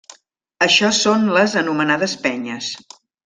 Això són les anomenades penyes.